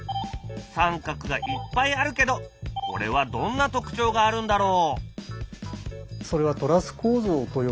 三角がいっぱいあるけどこれはどんな特徴があるんだろう？